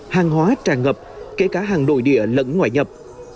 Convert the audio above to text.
hàng hóa tràn ngập kể cả hàng nội địa lẫn ngoại nhập